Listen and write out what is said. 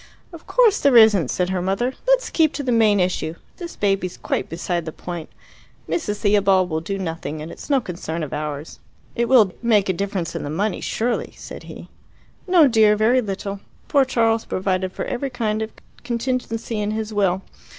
"Of course there isn't," said her mother. "Let's keep to the main issue. This baby's quite beside the point. Mrs. Theobald will do nothing, and it's no concern of ours." "It will make a difference in the money, surely," said he. "No, dear; very little. Poor Charles provided for every kind of contingency in his will.